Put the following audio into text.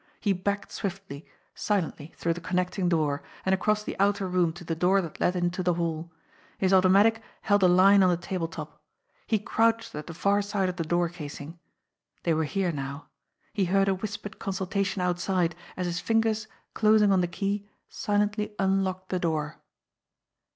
He backed swiftly, silently through the connecting door, and across the outer room to the door that led into the hall. His automatic held a line on the table top. He crouched at the far side of the door casing. They were here now. He heard a whispered consultation outside, as his fingers, closing on the key, si lently unlocked the door.